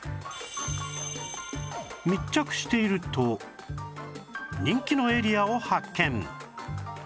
密着していると人気のエリアを発見